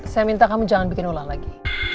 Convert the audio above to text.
saya minta kamu jangan bikin ulah lagi